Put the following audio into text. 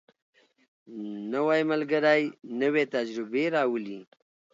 نوی ملګری نوې تجربې راولي